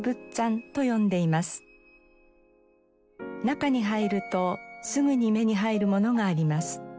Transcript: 中に入るとすぐに目に入るものがあります。